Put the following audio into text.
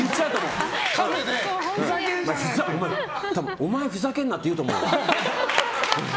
お前、ふざけんなって言うと思う。